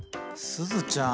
すずちゃん。